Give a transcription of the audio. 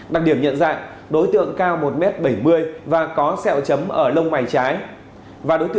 đặc điểm nhận dạng đối tượng cao một m bảy mươi và có sẹo chấm ở lông mày trái